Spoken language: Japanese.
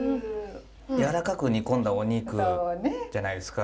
やわらかく煮込んだお肉じゃないですか。